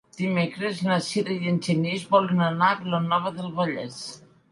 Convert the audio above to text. Dimecres na Sira i en Genís volen anar a Vilanova del Vallès.